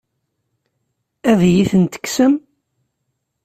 Ad iyi-ten-tekksem?